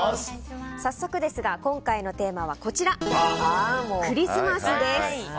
早速ですが、今回のテーマはクリスマスです。